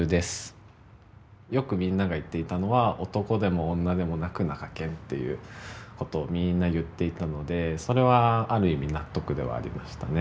よくみんなが言っていたのは「男でもなく女でもなくなかけん」っていうことをみんな言っていたのでそれはある意味納得ではありましたね。